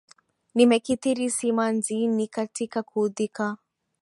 Nimekithiri simanzi, ni katika kuudhika